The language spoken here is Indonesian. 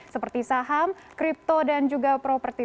seperti saham crypto dan juga property